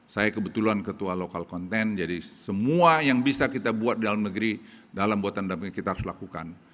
saya kebetulan ketua lokal konten jadi semua yang bisa kita buat dalam negeri dalam buatan dapil kita harus lakukan